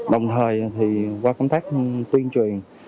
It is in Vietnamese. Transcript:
đồng thời thì qua công tác tuyên truyền